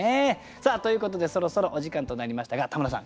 さあということでそろそろお時間となりましたが田村さん